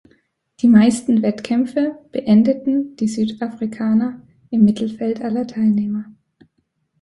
Die meisten Wettkämpfe beendeten die Südafrikaner im Mittelfeld aller Teilnehmer.